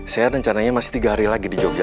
saya rencananya masih tiga hari lagi di jogja